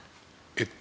えっと。